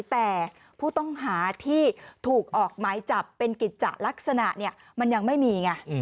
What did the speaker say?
แต่ผู้ต้องหาที่ถูกออกหมายจับเป็นกิจจะลักษณะเนี่ยมันยังไม่มีไง